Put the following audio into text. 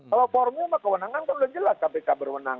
kalau formula kewenangan kan sudah jelas kpk berwenang